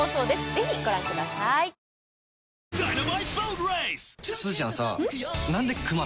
ぜひご覧くださいプシュ！